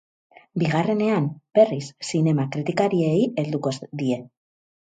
Bigarrenean, berriz, zinema kritikariei helduko die.